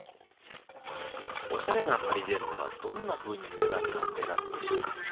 おしゃれなパリジェンヌはどんなふうにメガネを選ぶんでしょうか。